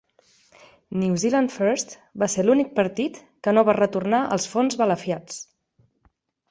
New Zealand First va ser l'únic partit que no va retornar els fons balafiats.